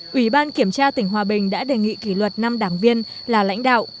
ủy ban kiểm tra tỉnh hòa bình đã đề nghị kỷ luật năm đảng viên là lãnh đạo